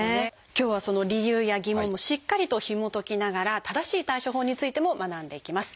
今日はその理由や疑問もしっかりとひもときながら正しい対処法についても学んでいきます。